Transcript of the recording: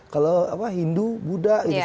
kalau hindu buddha